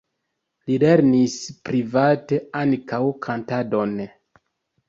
Li lernis private ankaŭ kantadon.